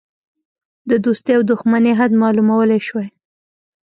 د دوستی او دوښمنی حد معلومولی شوای.